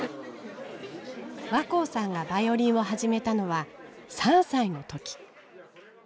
若生さんがバイオリンを始めたのは３歳の時。